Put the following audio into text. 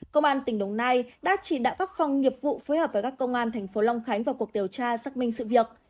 công an tp hcm đồng nai đã chỉ đạo các phòng nghiệp vụ phối hợp với các công an tp hcm vào cuộc điều tra xác minh sự việc